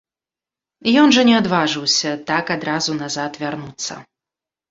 Ён жа не адважыўся так адразу назад вярнуцца.